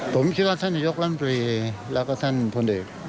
ผมคิดว่าท่านนายกรัมตรีแล้วก็ท่านพลเอก